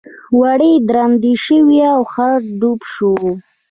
وړۍ درندې شوې او خر ډوب شو.